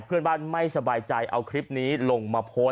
เพื่อนบ้านไม่สบายใจเอาคลิปนี้ลงมาโพสต์